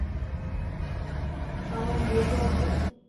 আমার জেটও আছে?